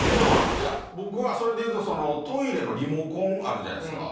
いや僕はそれで言うとトイレのリモコンあるじゃないですか。